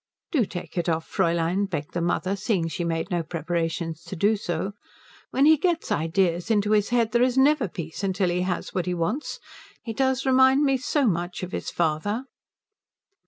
"Do take it off, Fräulein," begged the mother, seeing she made no preparations to do so. "When he gets ideas into his head there is never peace till he has what he wants. He does remind me so much of his father."